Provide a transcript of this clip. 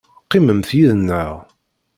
Qqimemt yid-nneɣ.